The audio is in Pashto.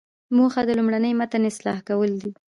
موخه د لومړني متن اصلاح کول وو.